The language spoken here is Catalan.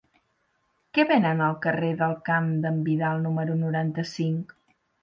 Què venen al carrer del Camp d'en Vidal número noranta-cinc?